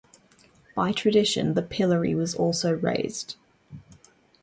By tradition, the pillory was also raised.